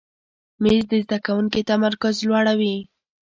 مېز د زده کوونکي تمرکز لوړوي.